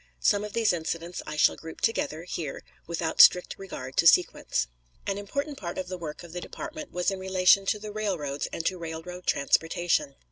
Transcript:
Some of these incidents I shall group together here, without strict regard to sequence. An important part of the work of the department was in relation to the railroads and to railroad transportation.